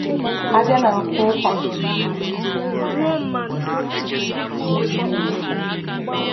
A bịa na nke ụkwa